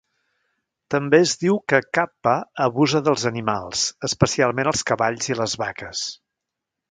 També es diu que "Kappa" abusa dels animals, especialment els cavalls i les vaques.